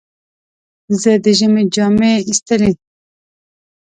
زه د ژمي جامې ایستلې.